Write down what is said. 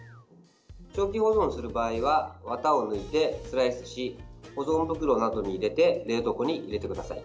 長期保存する場合はわたを抜いてスライスし保存袋などに入れて冷凍庫に入れてください。